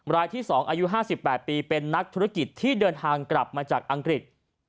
รายที่๒อายุ๕๘ปีเป็นนักธุรกิจที่เดินทางกลับมาจากอังกฤษ